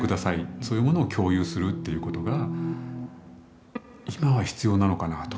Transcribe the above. そういうものを共有するっていうことが今は必要なのかなあと。